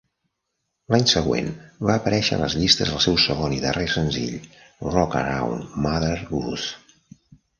L'any següent va aparèixer a les llistes el seu segon i darrer senzill, "Rock Around Mother Goose".